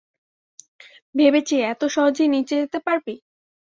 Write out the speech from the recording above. ভেবেছি এত সহজেই নিচে যেতে পারবি?